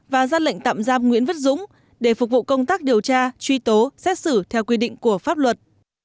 và ra lệnh tạm giam nguyễn viết dũng để phục vụ công tác điều tra truy tố xét xử theo quy định của pháp luật